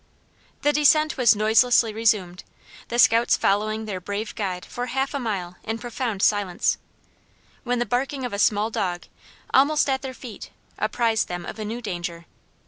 The descent was noiselessly resumed, the scouts following their brave guide for half a mile in profound silence, when the barking of a small dog, almost at their feet, apprised them of a new danger.